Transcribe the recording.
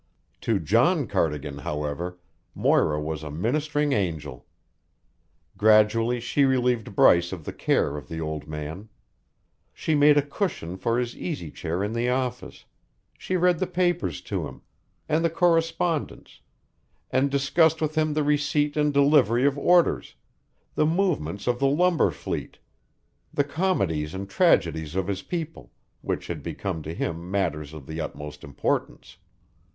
To John Cardigan, however, Moira was a ministering angel. Gradually she relieved Bryce of the care of the old man. She made a cushion for his easy chair in the office; she read the papers to him, and the correspondence, and discussed with him the receipt and delivery of orders, the movements of the lumber fleet, the comedies and tragedies of his people, which had become to him matters of the utmost importance.